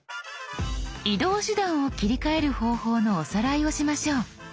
移動手段を切り替える方法のおさらいをしましょう。